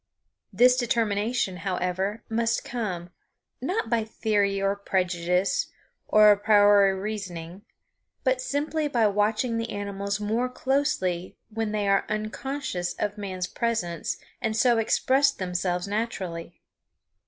This determination, however, must come, not by theory or prejudice or a priori reasoning, but simply by watching the animals more closely when they are unconscious of man's presence and so express themselves naturally.